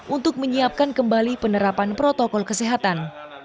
untuk menyiapkan kembali penerapan protokol kesehatan